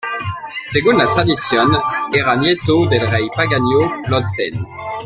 Según la tradición, era nieto del rey pagano Blot-Sven.